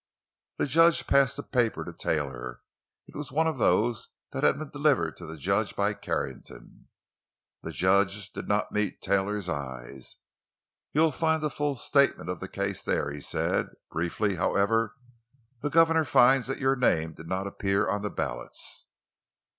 The judge passed a paper to Taylor; it was one of those that had been delivered to the judge by Carrington. The judge did not meet Taylor's eyes. "You'll find a full statement of the case, there," he said. "Briefly, however, the governor finds that your name did not appear on the ballots."